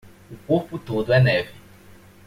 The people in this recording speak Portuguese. O corpo todo é neve